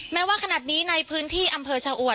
แม้ว่าขนาดนี้ในพื้นที่อำเภอชะอวด